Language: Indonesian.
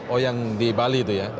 oh yang di bali itu ya